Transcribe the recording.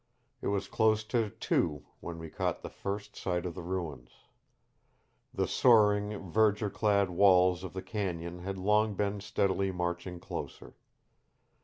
It was close to two when we caught the first sight of the ruins. The soaring, verdure clad walls of the canyon had long been steadily marching closer.